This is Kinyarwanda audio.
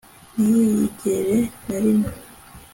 ntiyigere na rimwe